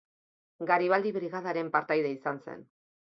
Garibaldi Brigadaren partaide izan zen.